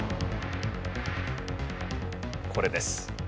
これです。